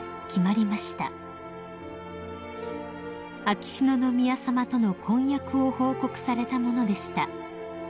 ［秋篠宮さまとの婚約を報告されたものでした］